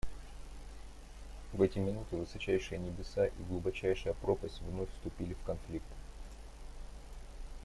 В эти минуты высочайшие небеса и глубочайшая пропасть вновь вступили в конфликт.